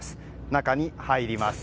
中に入ります。